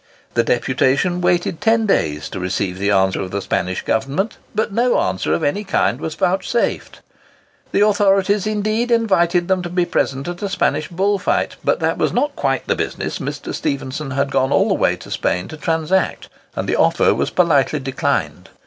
The deputation waited ten days to receive the answer of the Spanish Government; but no answer of any kind was vouchsafed. The authorities, indeed, invited them to be present at a Spanish bullfight, but that was not quite the business Mr. Stephenson had gone all the way to Spain to transact; and the offer was politely declined.